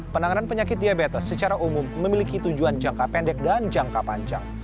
penanganan penyakit diabetes secara umum memiliki tujuan jangka pendek dan jangka panjang